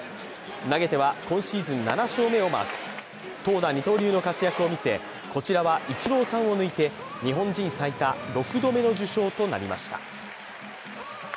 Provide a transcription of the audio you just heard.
投げては今シーズン７勝目をマーク投打二刀流の活躍を見せ、こちらはイチローさんを抜いて日本人最多６度目の受賞となりました。